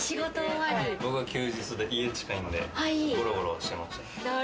僕は休日で家でゴロゴロしてました。